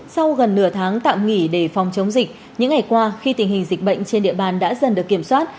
sau gần nửa tháng tạm nghỉ để phòng chống dịch những ngày qua khi tình hình dịch bệnh trên địa bàn đã dần được kiểm soát